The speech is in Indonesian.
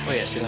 oh ya silahkan